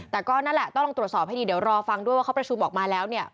แต่ก็นั่นแหละต้องลองตรวจสอบให้ดีเดี๋ยวรอฟังด้วยว่าเขาประชุมออกมาแล้วเนี่ย